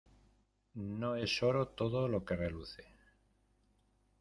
No es oro todo lo que reluce.